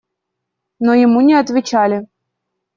Но ему не отвечали.